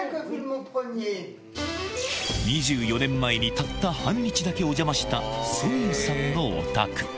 ２４年前にたった半日だけお邪魔したソニエさんのお宅。